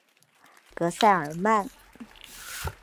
戈塞尔曼。